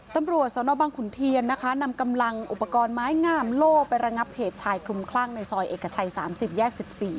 ตำรวจสนบังขุนเทียนนะคะนำกำลังอุปกรณ์ไม้งามโล่ไประงับเหตุชายคลุมคลั่งในซอยเอกชัย๓๐แยก๑๔